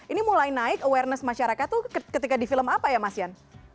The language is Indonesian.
ini mulai naik awareness masyarakat itu ketika di film apa ya mas yan